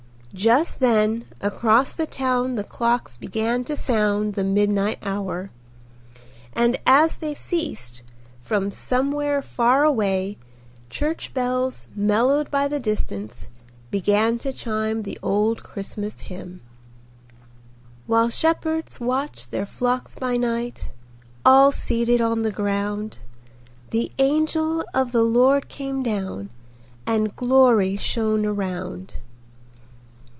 Just then across the town the clocks began to sound the midnight hour, and as they ceased, from somewhere far away church bells mellowed by the distance began to chime the old Christmas hymn:— "While shepherds watched their flocks by night, All seated on the ground, The angel of the Lord came down, And glory shone around."